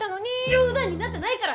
冗談になってないから！